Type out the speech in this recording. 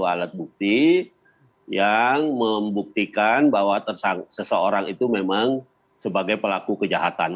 dua alat bukti yang membuktikan bahwa seseorang itu memang sebagai pelaku kejahatan